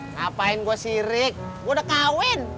ngapain gue sirik gue udah kawin